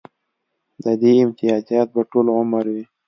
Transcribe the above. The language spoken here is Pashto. د دې امتیازات به ټول عمر وي